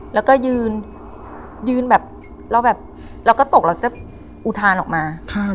แล้วก็ยืนยืนแบบแล้วก็ตกเขาอุทานออกมา